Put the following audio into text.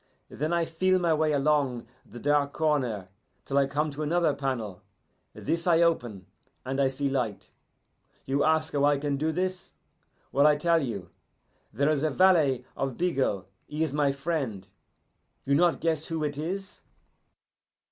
Then I feel my way along the dark corner till I come to another panel. This I open, and I see light. You ask how I can do this? Well, I tell you. There is the valet of Bigot, he is my friend. You not guess who it is?